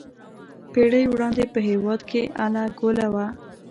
پېړۍ وړاندې په هېواد کې اله ګوله وه.